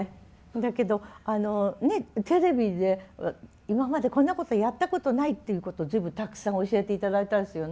だけどあのねえテレビで今までこんなことやったことないっていうことを随分たくさん教えて頂いたんですよね。